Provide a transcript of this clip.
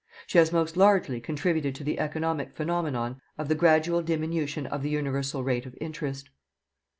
She has most largely contributed to the economic phenomenon of the gradual diminution of the universal rate of interest.